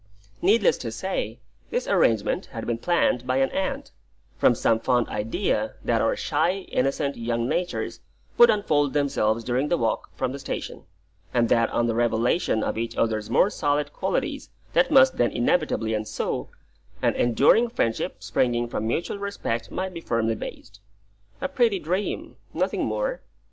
Needless to say, this arrangement had been planned by an aunt, from some fond idea that our shy, innocent young natures would unfold themselves during the walk from the station, and that on the revelation of each other's more solid qualities that must then inevitably ensue, an enduring friendship springing from mutual respect might be firmly based. A pretty dream, nothing more.